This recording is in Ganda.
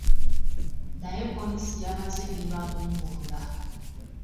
Naye poliisi yamaze n'ebagumbulula.